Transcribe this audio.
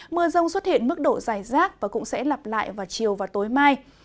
mưa rông xuất hiện mức độ dài rác và cũng sẽ lặp lại vào chiều và tối mai